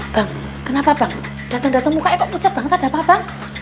bang kenapa bang dateng dateng muka e kok pucet banget ada apa bang